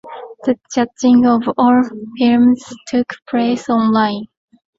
The judging of all films took place online.